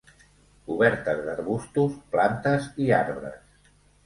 Cobertes d'arbustos, plantes i arbres.